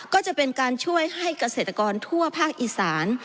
ก็จะเป็นการช่วยให้เกษตรกรทั่วภาคอีสาน